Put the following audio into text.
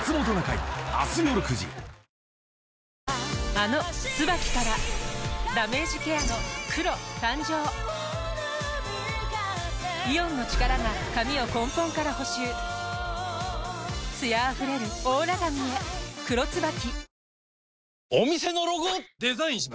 あの「ＴＳＵＢＡＫＩ」からダメージケアの黒誕生イオンの力が髪を根本から補修艶あふれるオーラ髪へ「黒ＴＳＵＢＡＫＩ」